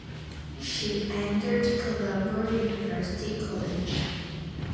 She entered Colombo University College.